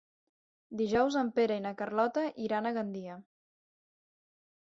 Dijous en Pere i na Carlota iran a Gandia.